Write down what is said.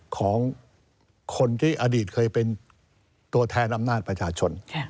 ของคนที่อดีตเคยเป็นตัวแทนอำนาจประชาชน